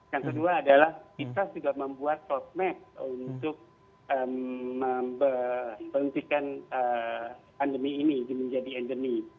yang kedua adalah kita sudah membuat roadmap untuk memperhentikan pandemi ini menjadi endemi